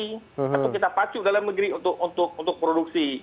atau kita pacu ke dalam negeri untuk produksi